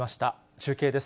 中継です。